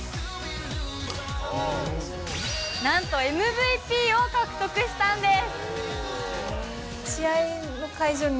なんとＭＶＰを獲得したんです！